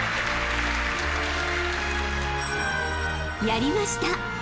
［やりました。